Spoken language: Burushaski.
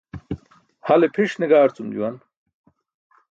Hale pʰiṣ ne gaarcum juwan.